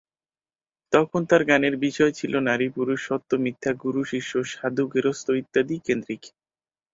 তখন তার গানের বিষয় ছিল নারী-পুরুষ, সত্য-মিথ্যা, গুরু-শিষ্য, সাধু-গেরস্থ ইত্যাদি কেন্দ্রিক।